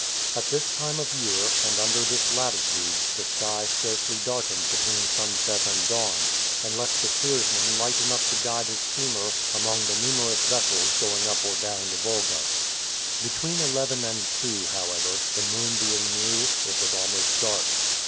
At this time of year, and under this latitude, the sky scarcely darkened between sunset and dawn, and left the steersman light enough to guide his steamer among the numerous vessels going up or down the Volga. Between eleven and two, however, the moon being new, it was almost dark.